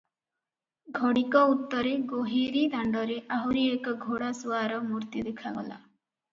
ଘଡ଼ିକ ଉତ୍ତରେ ଗୋହିରୀ ଦାଣ୍ତରେ ଆହୁରି ଏକ ଘୋଡ଼ାସୁଆର ମୂର୍ତ୍ତି ଦେଖାଗଲା ।